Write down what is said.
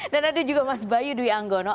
dan ada juga mas bayu dwi anggono